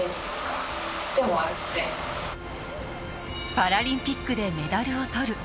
パラリンピックでメダルを取る。